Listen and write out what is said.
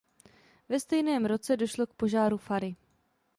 Ve stejném roce došlo k požáru fary.